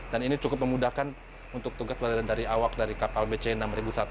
dan ini cukup memudahkan untuk tugas badan dari awak dari kapal bcn enam ribu satu